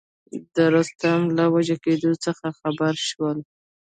د رستم له وژل کېدلو څخه خبر شول.